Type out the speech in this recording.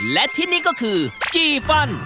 และที่นี่ก็คือจีฟัน